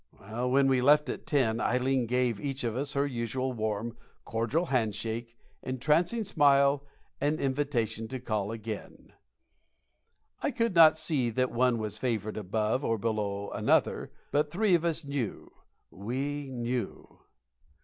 When we left at ten, Ileen gave each of us her usual warm, cordial handshake, entrancing smile, and invitation to call again. I could not see that one was favored above or below another but three of us knew we knew.